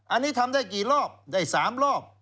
อันนี้ทำได้กี่รอบได้๓รอบ